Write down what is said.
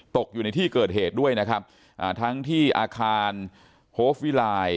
อยู่ในที่เกิดเหตุด้วยนะครับอ่าทั้งที่อาคารโฮฟวิไลน์